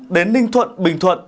đến ninh thuận bình thuận